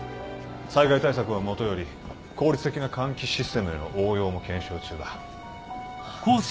災害対策はもとより効率的な換気システムへの応用も検証中だ。